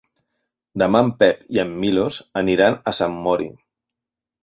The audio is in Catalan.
Demà en Pep i en Milos aniran a Sant Mori.